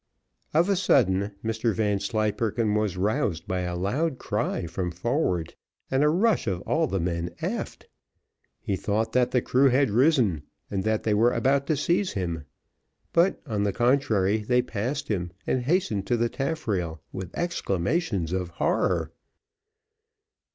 Of a sudden, Mr Vanslyperken was roused by a loud cry from forward, and a rush of all the men aft. He thought that the crew had risen, and that they were about to seize him, but, on the contrary, they passed him and hastened to the taffrail with exclamations of horror.